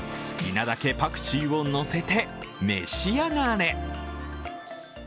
好きなだけパクチーをのせて、召し上がれ。